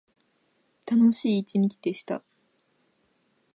楽しい一日でした。